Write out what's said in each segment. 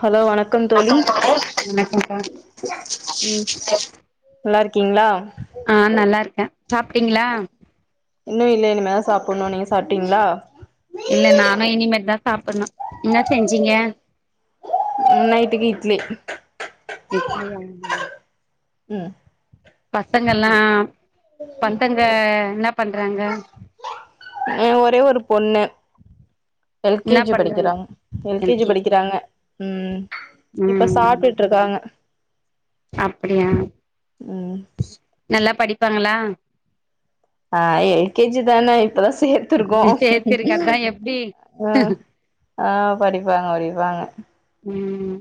Hello வணக் கம் தோழி வணக்கம்ப்பா ம் நல்லா இருக்கீங்களா ஆ நல்லா இருக்க சாப்ட்டீங்களா இன்னு இல்ல இனிமேதா சாப்பட்ணு நீங்க சாப்டீங்களா இல்ல நானு இனிமேட்தா சாப்பட்ணு என்ன செஞ்சீங்க நைட்டுக்கு இட்லி இட்லியா ம் பசங்கள்லா பசங்க என்ன பண்றாங்க ஒரே ஒரு பொண்ணு எல் கே என்ன ஜி பண்றாங்க படிக்கிறாங்க எல் கே ஜி படிக்கிறாங்க ம் இப்ப சாப்ட்டுட்டு இருக்காங்க அப்டியா ம் நல்லா படிப்பாங்களா ஆ எல் கே ஜி தான இப்பதா சேர் த்துருக்கோ சேத்திருக்க அதா எப்டி ஆ ஆ படிப்பாங்க படிப்பாங்க ம்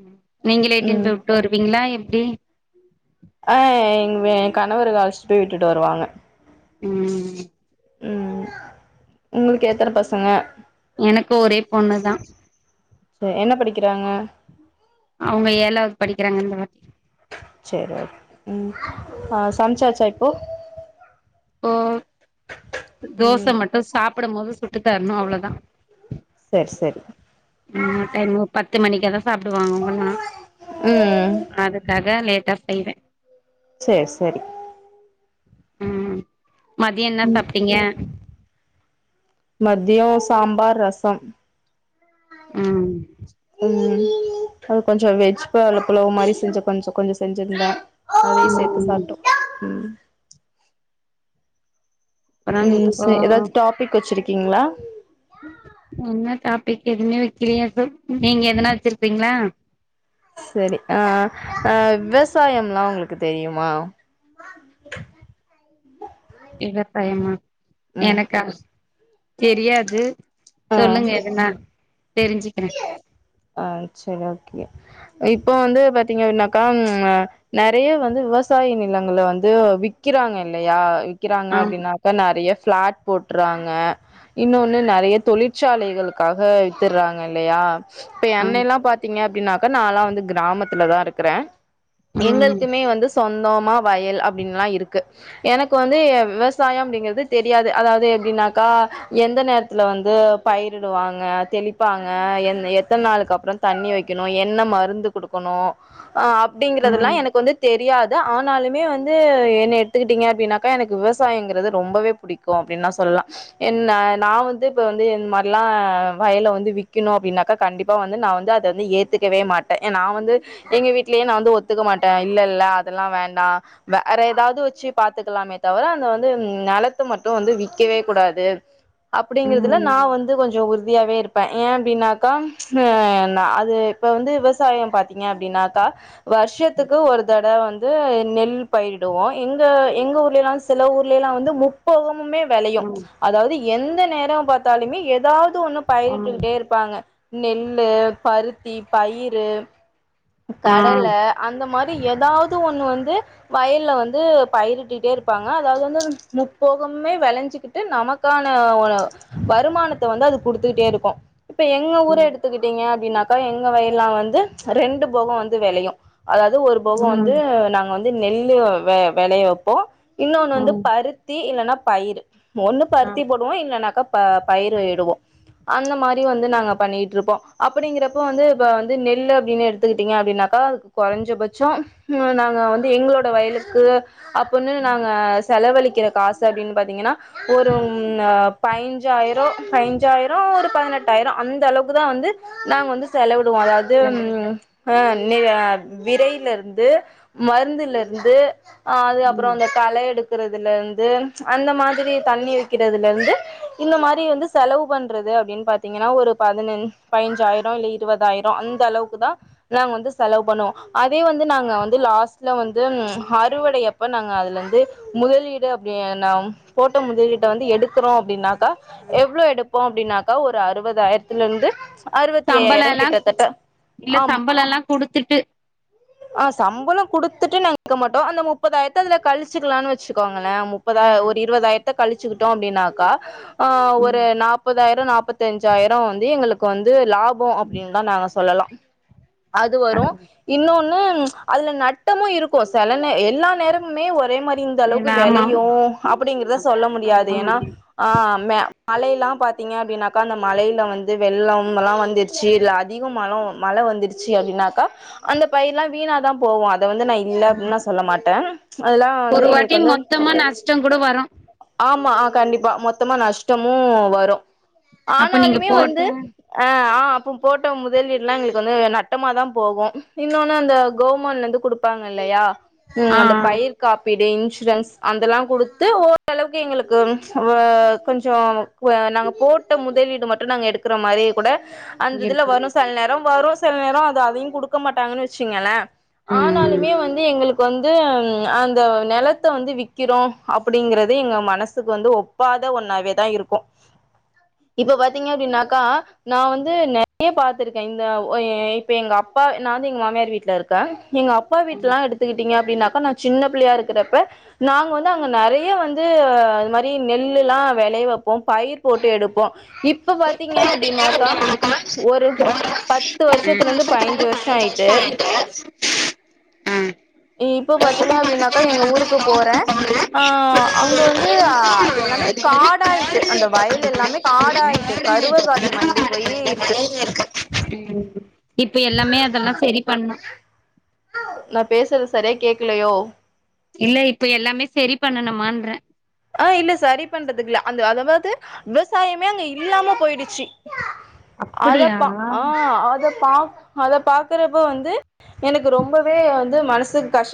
நீங்களே இட்டுன் ம் போய் உட்டு வருவீங்களா எப்டி ஆ எ கணவர் அழச்சிட்டு போய் விட்டுட்டு வருவாங்க ம் ம் உங்களுக்கு எத்தன பசங்க எனக்கு ஒரே பொண்ணுதா சரி என்ன படிக்கிறாங்க அவுங்க ஏழாவது படிக்கிறாங்க இந்தவாட்டி சரி ஓ ம் ஹ சமைச்சாச்சா இப்போ இப்போ தோச ம் மட்டு சாப்படும் போது சுட்டு தரணு அவ்ளதா சரி சரி ம்ம டைமு பத்து மணிக்காதா சாப்டுவாங்க அவுங்கல்லா ம் அது கத லேட்டா செய்ர சரி சரி ம் மதிய என்ன சாப்ட்டீங்க மதியோ சாம்பார் ரசம் ம் ம் அது கொஞ்ச வெஜ் புலாவ்ல புலவு மாரி செஞ்ச கொஞ்ச கொஞ்ச செஞ்சிருந்த அதையு சேத்து ம் சாப்டோ ம் அப்றோ ம் இப்போ சரி எதாவது டாபிக் வச்சிருக்கீங்களா என்ன டாபிக் எதுவுமே வக்கலயே ப்ரோ நீங்க எதனா வச்சிருப்பீங்களா சரி அ அ விவசாயம்ல்லா உங்களுக்கு தெரியுமா விவசாயமா ம் எனக்கா தெரியாது ஆ சொல்லுங்க எதனா தெரிஞ்சிக்கிற ஆ சரி ஓகே இப்ப வந்து பாத்தீங்க அப்டின்னாக்கா ம் நெறைய வந்து விவசாய நிலங்கள வந்து விக்கிறாங்க இல்லையா விக்கிறாங்க ஆம் அப்டின்னா இப்ப நெறைய பிளாட் போட்றாங்க இன்னொன்னு நெறைய தொழிற்சாலைகளுக்காக வித்தட்றாங்க இல்லையா இப்ப ஆம் என்னைலா பாத்தீங்க அப்டினாக்கா நா லா வந்து கிராமத்துலதா இருக்கற ம் எங்களுக்குமே வந்து சொந்தோமா வயல் அப்டின்னுல்லா இருக்கு எனக்கு வந்து விவசாயம் அப்டிங்கிறது தெரியாது அதாவது எப்டின்னாக்கா எந்த நேரத்துல வந்து பயிரிடுவாங்க தெளிப்பாங்க எந் எத் எத்த நாளுக்கு அப்றோ தண்ணி வைக்கணு என்ன மருந்து குடுக்கணு அப்டிங்கறதெல்லா ம் எனக்கு வந்து தெரியாது ஆனாலுமே வந்து என்ன எடுத்துக்கிட்டிங்க அப்டின்னாக்கா எனக்கு விவசாயங்கிறது ரொம்பவே புடிக் கு அப்டின்னா சொல்லா என்ன நா வந்து இப்ப வந்து இந்த மாரிலா வயல வந்து வி்க்கணு அப்டின்னாக்கா கண்டிப்பா வந்து நா வந்து அத வந்து ஏத்துக்கவே மாட்டே ஏ நா வந்து எங்க வீட்லயே நா வந்து ஒத்துக்க மாட்டே இல்ல இல்ல அதெல்லா வேண்டா வேற ஏதாவ்து வெச்சு பாத்துக்கலாமே தவிர அந்த வந்து நெலத்த மட்டு வந்து விக்கவே கூடாது [inaudible] அப்டிங்கறதுல நா ம் வந்து கொஞ்சோ உறுதியாவே இருப்பே ஏ அப்டின்னாக்கா ஆ ந அது இப்ப வந்து விவசாய பாத்தீங்க அப்டின்னாக்கா வர்ஷத்துக்கு ஒரு தடவ வந் து நெல் பயிரிடுவோ எங்க எங்க ஊர்லல்லா சில ஊர்லல்லா வந்து முப் போகமுமே வேளையு ம் அதாவ்து எந்த நேர பாத்தாலுமே ஏதாவ்து ஒண்ணு ஆ பயிரிட்டுக்கிட்டே இரு பாங்க நெல்லு பருத்தி பயிறு ஆ கடல அந்த மாரி ஏதாவ்து ஒண்ணு வந்து வயல்ல வந்து பயிரிட்டுட்டே இருப்பாங்க அதாவ்து வந்து முப்போகமுமே வேளைஞ்சுக்கிட் ட்டு நமக்கான ஒரு வருமானத்த வந்து அது குடுத்துக்கிட்டேருக்கு இப்ப எங்க ஊர ம் எடுத்துக்கிட்டீங்க அப்டின்னாக்கா எங்க வயல்லல்லா வந்து ரெண்டு போக வந்து வெளையு அதாவ்து ஒரு போகோ வந்து ம் நாங்க வந்து நெல்லு வெ வெளைய வப்போ இன்னொன்னு ஆ வந்து பருத் தி இல்லன்னா பயிறு ஒண்ணு ஆ பருத்தி போடுவோ இல்லன்னாக்கா ப பயிறு இடுவோ அந்த மாரி வந்து நாங்க பண்ணிட்டு இருப்போ அப்டிங்கிறப்ப வந்து இப்ப வந்து நெல்லு அப்டின்னு எடுத் எடுத்துக்கிட்டீங்க அப்டின்னாக்கா அதுக்கு குறைஞ்சபட்சோ நாங்க வந்து எங்களோட வயலுக்கு அப்ப வந்துன்னு நாங்க செலவழிக்கிற காச அப்டின்னு பாத்தீங்னா ஒரு ம்னா பயிஞ்சாயிரோ பயிஞ்சாயிரோ ஒரு பதினெட்டாயிரோ அந்த அளவுக்கு தா வந்து நாங்க வந்து செலவிடுவோ அதாவ் து ஆ நெ விரையிலேருந்து மருந்துல இருந்து ஆ அது அப்றோ ம் அந்த கலை எடு க்குறதுல இருந்து அந்த மாதிரி தண்ணி வைக்கிறதுல இருந்து இந்த மாரி வந்து செலவு பண்றது அப்டின்னு பாத்தீங்னா ஒரு பதினஞ் பயிஞ்சாயிரோ இல்ல இருபதாயிரோ அந்த அளவுக்கு தா நாங்க வந்து செலவு பண்ணுவோ அதே வந்து நாங்க வந்து லாஸ்ட்ல வந்து ம் அறுவடையப்ப நாங்க அதுலேந்து முதலீடு அப்டி ந போட்ட முதலீட்ட வந்து எடுக்கறோ அப்டின்னாக்கா எவ்ளோ எடுப்போ அப்டின்னாக்கா ஒரு அறுபதாயிரத்துல இருந்து அறுவத்தி சம்பள ஐயாயிர எல்லா கிட்டத்தட்ட இல்ல ஆம் சம்பள எல்லா குடுத்துட்டு ஆ சம்பள குடுத்துட்டு நாங்க க்க மாட்டோ அந்த முப்பதாயிரத்த அதுல கழிச்சுக்கலாம்னு வச் ச்சிக்கோங்களே முப்பத ம் ஒரு இருபதாயிரத்தை கழிச்சுக்கிட்டோ அப்டின்னாக்கா ஆ ஒரு ம் நாப் முப்பதாயிர நாப்பத் அஞ்சாயிர வந்து எங்களுக்கு வந்து லாபோ ம் அப்டின்னுதா நாங்க சொல்லலா அது வரு இன்னொன் னு அதுல நட்டமு இருக்கு செல நே எல்லா நேரமுமே ஒரே மாரி ப்டி இந்த இல்ல அளவுக்கு ஆமா வெளையு அப்டிங்கறத சொல்ல முடியாது ஏன்னா ஆ மே மழையில்லா பாத்தீங்க அப்டின்னாக்கா அந்த மழையில வந்து வெள்ளம் எல்லா வந்துச் சீ இல்ல அதிகோ மழோ மழ வந்துடுச் சி அப்டின்னாக்கா அந்த பயிரல்லா வீணாதா போவு அத வந்து நா இல்ல அப்டின்னு நா சொல்ல மாட்டே அதெல்லா வந்து ஒரு வாட்டி எங்களுக்கு வந்து மொத்தமா நஷ்டோ கூட வரு ஆமா ஆ கண்டிப்பா மொத்தமா நஷ்டமு வரு அப்ப நீங்க ஆனாலுமே வந்து போட்டு ஆ ஆ அப்போ போட்டோ முதலீடு எல்லா எங்களுக்கு வந்து நட் நட்டமா தா போகு இன்னோன்னு அந்த கவுர்மெண்ட் வந்து குடுப்பாங்க இல்லையா உ ஆ அந்த பயிர் காப்பீடு இன்சூரன்ஸ் அந்தெல்லா குடுத்து அளவுக்கு எங்களுக்கு கொஞ்சோ நா போட்ட முதலீடு மட்டு நாங்க எடுக்க க்குற மாரியே கூட அந்த இதுல இருக்கு வரு செல நேரோ வரு சில நேரோ அது அதையு குடுக்க மாட்டாங்கன் வச்சுங்களே ம் ஆனாலுமே வந்து எங்களுக்கு வந்து அந்த நெலத்த வந்து விற்கிறோ அப்டிங்கிறது எங்க மனசுக்கு வந்து ஒப் பாத ஒன்னாவே தா இருக்கு [inaudible] இப்ப பாத்தீங்க அப்டின்னாக்கா நா வந்து நெறய பாத்துருக்கே இந்த ஓ ஏ எங்க அப்பா நா வந்து எங்க மாமியார் வீட்ல இருக்கே எங்க அப்பா ம் வீட்டெல்லா எடுத்துக்கிட்டு ங்க அப்டின்னாக்கா நா சின்ன பிள்ளையா இருக்கிறப்ப நாங்க வந்து அங்க நெறய வந்து ஆ இது மாதிரி நெல்லு எல்லா வெளய வப்போ பயிர் போட்டு எடுப்போ இப்ப பாத்தீங்க அப்டின்னாக்கா ஒரு பத்து வருஷத்து பத்ல இருந்து பதிஞ்சு வருஷோ ஆயிட்டு ஆ [unintelligible] ம் இப்ப பாத்தீங்க அப்டின்னாக்கா எங்க ஊருக்கு போறே ஆ அங்க வந்து ஆ அது எல்லாமே காடாயிட்டு அந்த வயல் எல்லாமே காடாயிட்டு கருவக்காடு மண்டி போய் இருக்கு ம் இப்ப எல்லாமே அதெல்லா சரி பண்ணனு நா பேசுறது சரியா கேக்கலையோ இல்ல இப்ப எல்லாமே செரி பண்ணனுமான்றே ஆ இல்ல சரி பண்றதுக்குல்ல அந்த அதாவது விவசாயமே அங்க இல்லாம போயிடுச்சு அத அப்படியா பா ஆ அத பா அத பாக்குறப்போ வந்து எனக்கு ரொம்பவே வந்து மனசுக்கு கஷ்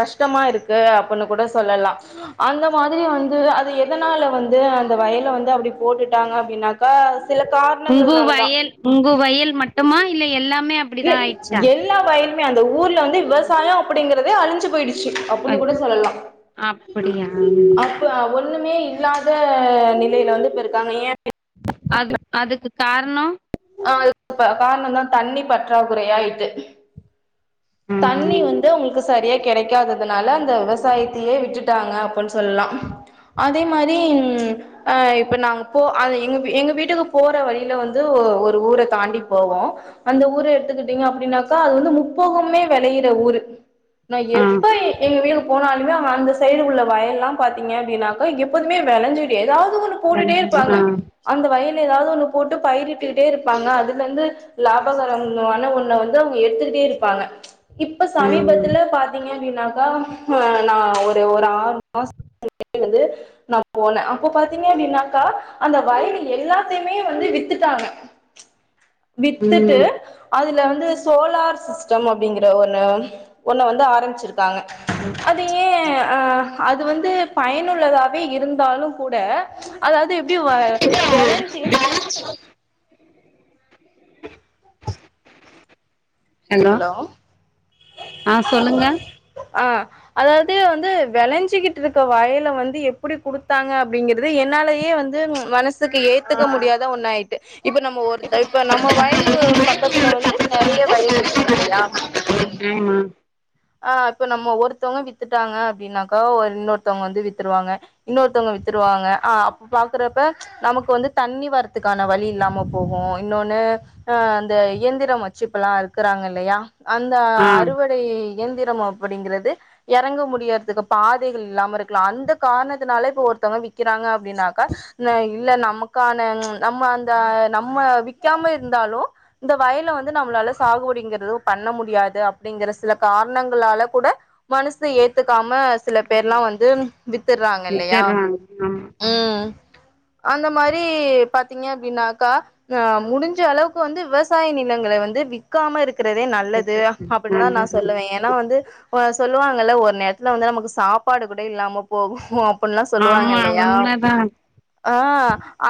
கஷ்டமா இருக்கு அப்டின்னு கூட சொல்லலா அந்த மாதிரி அதயு வந்து அது எதனால வந்து அந்த வயல வந்து அப்டி போட்டுட்டாங்க அப்டின்னாக்கா சில உங்கு காரணங்கள்னாலதா வயல் உங்கு வயல் மட்டுமா இல்ல எல்லாமே அப்டிதா இல்ல ஆயிடுச்சா எல்லா வயலுமே அந்த ஊர்ல வந்து விவசாய அப்டிங்கறதே அழிஞ்சு போயிடுச்சு அ அப்டின்னு கூட சொல்லலா அப்படியா இப்ப ஒன்னுமே இல்லாத நிலையில வந்து இப்ப இருக்காங்க ஏ அது அதுக்கு காரணோ ஆ காரணந்தான் தண்ணி பற்றாக்குறையா ஆயிட்டு ம் தண்ணி ம் வந்து உங்களுக்கு சரியா கெடைக்காததுனால அந்த விவசாயத்தையே விட்டுட்டாங்க அப்டின் சொல்லலா அதே மாரி அ இப்ப நாங்க போ அது எங்க எங்க வீட்டுக்கு போற வழியில வந்து ஒரு ஊர தாண்டி போவோ அந்த ஊரு எடுத்துக்கிட்டிங்க அப்டின்னாக்கா அது வந்து முப்போகமே வெளையிற ஊரு நா ஆ எப்ப எங்க வீடு போனாலுமே அவ அந்த சைடு உள்ள வயல் எல்லா பார்த்தீங்க அப்டின்னாக்கா எப்போதுமே வெளஞ்சுக்கிட்டே ஏதாவது ஒன்னு போட்டுட்டே நினைஞ்சது. ஆ இருப்பாங்க அந்த வயல ஏதாவது ஒன்னு போட்டு பயிரிட்டுக்கிட்டே இருப்பாங்க அதுல இருந்து லாபகரம் ஆனா ஒன்ன வந்து வந்து அவுங்க எடுத்துட்டே இருப்பாங்க இப்ப ம் சமீபத்துல பாத்து பாத்தீங்க அப்டின்னாக்கா ஆ நா ஒரு ஒரு ஆறு மாசத்துக்கு முன்னாடி வந்து நான் போனே அப்போ பாத்தீங்க அப்டின்னாக்கா அந்த வயலு எல்லாத்யுமே வந்து வித்துட்டாங்க வித்துட்டு ம் அதுல வந்து சோலார் சிஸ்டம் அப்டிங்ற ஒன்னு ஒன்ன வந்து ஆரம்பிச்சிரு க்காங்க அது ஏன் அ அது வந்து பயனுள்ளதாவே இருந்தாலும் கூட அதாது எப்டி வெளஞ்சு ஹலோ ஆ சொல்லுங்க ஆ அதாது வந்து வெளஞ்சிக்கிட்டு இருக்க வயல வந்து எப்டி குடுத்தாங்க அப்டிங்கறது என்னாலயே வந்து வந்து மனசுக்கு ஏத்துக்க முடியாத ஒண்ணு ஆயிட்டு இப்ப நம்ம ஒருத்த இப்ப நம்ம வயலு பக்கத்துல வந்து நெறைய வயல் இருக்கு ன் இல்லயா ஆமா ஆ இப்ப நம்ம ஒருத்தவங்க வித்துட்டாங்க அப்டின்னாக்கா ஒ இன்னொருத்தவங்க வந்து வித்துருவாங்க இன்னொருத்தவங்க வித்துருவாங்க ஆ அப்ப பாக்கறப்ப நமக்கு வந்து தண்ணி வரத்துக்கான வழி இல்லாம போகும் இன்னொன்னு ஆ அந்த இயந்திரம் வச்சு இப்பெல்லா அறுக்குறாங்க இல்லையா அந்த ஆ அறுவடை இயந்திரம் அப்டிங்கறது எறங்க முடியறதுக்கு பாதைகள் இல்லாம இருக்கலா அந்த காரணத்தினால இப்ப ஒருத்தங்க விக்கிறாங்க அப்டின்னாக்கா இல்ல நமக் க்கான நம்ம அந்த நம்ம விக்காம இருந்தாலு இந்த வயல வந்து நம்மளால சாகுபடிங்றது பண்ண முடியாது அப்டிங்ற சில காரணங்ளால கூட மனசு ஏத்துக்காம சில பேர்ல்லா வந்து வித்துறாங்க இல்லயா வித்துறாங்க அந்த மாரி பாத்தீங்க அப்டின்னாக்கா ஆ முடிஞ்ச அளவுக்கு வந்து விவசாய நிலங்கள் வந்து விக்காம இருக் றதே நல்லது அப்டின்னு தா நா ஆமா சொல்லுவேன் ஏனா வந்து சொல்லுவாங்கல்ல ஒரு நேரத்துல வந்து நமக்கு சாப்பாடு கூட இல்லாம போகும் அப் அப்புன்ல்லாம் சொல்லுவாங்க ஆமா இல்லையா உண்மதா ஆ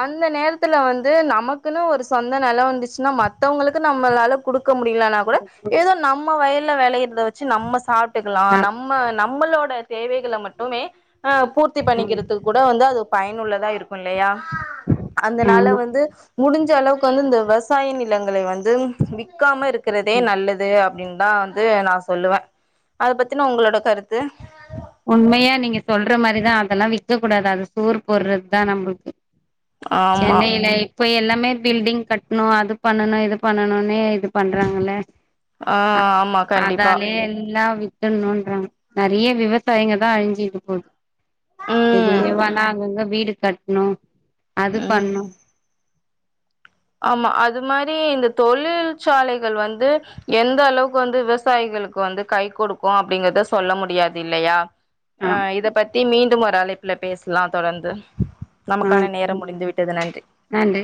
அந்த நேரத்துல வந்து நமக்குன்னு ஒரு சொந்த நெலம் வந்துச்சுன்னா ம மத்தவங்களுக்கு நம்மளால குடுக் குடுக்க முடியலனா கூட ஏதோ நம்ம வயல்ல வெளயறத வெச்சு நம்ம சாப்பிட்டுக்கலா ஆமா நம்ம நம்ம நம்மளோட தேவைகள மட்டுமே அ பூர்த்தி பண்ணிக்கிறதுக் கூட வந்து அது பயனுள்ளதா இருக்குன் இல்லையா அதனால வந்து முடிஞ்ச அளவுக் வந்து இந்த விவசாய நிலங்களை வந்து விக் க்காம இருக்றதே நல்லது அப்பட தான் வந்து நா சொல்லுவன் அத பத்தினா உங்களோட கருத்து உண்மையா நீங்க சொல்ற மாரிதா அதெல்லா விக்க கூடாது அது சோர் போடுறது தா நம்ளுக்கு ஆமா சென்னையில இப்ப எல்லாமே பில்டிங் கட்ணு அது பண்னுணு இது பண்னுணுனே இது பண்றாங்கல்ல ஆ அ ஆமா கண்டிப்பா அதாலே எல்லா வித் த்துனுன்றாங்க நெறைய விவசாயங்க தா அழிஞ்சுட்டு போது ம் எதுவுமே வனா அங்கங்க வீடு கட்ணு அது ம் பண்ணு ஆமா அது மாரி இந்த தொழில்சாலைகள் வந்து எந்த அளவுக்கு வந்து விவசாயிங்களுக்கு வந்து கை குடுக்கு அப்டிங்றத சொல்ல முடியாது இல்லையா ஆ அ இத பத்தி மீண்டும் ஒரு அழைப்புல பேசலா தொடர்ந்து ஆ நமக்கான நேரம் ம் முடிந்து விட்டது நன்றி நன்றி